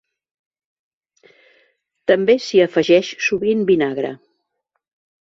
També s'hi afegeix sovint vinagre.